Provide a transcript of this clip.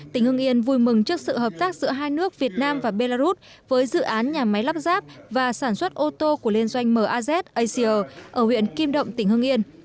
tỉnh hưng yên vui mừng trước sự hợp tác giữa hai nước việt nam và belarus với dự án nhà máy lắp ráp và sản xuất ô tô của liên doanh maz asia ở huyện kim động tỉnh hưng yên